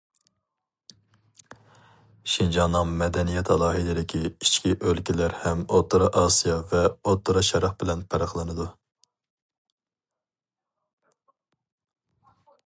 شىنجاڭنىڭ مەدەنىيەت ئالاھىدىلىكى ئىچكى ئۆلكىلەر ھەم ئوتتۇرا ئاسىيا ۋە ئوتتۇرا شەرق بىلەن پەرقلىنىدۇ.